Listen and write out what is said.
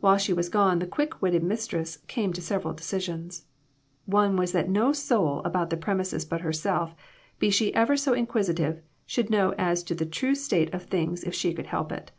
While she was gone the quick witted mistress came to several decisions. One was that no soul about the premises but herself, be she ever so inquisitive, should know as to the true state of things if she could help it.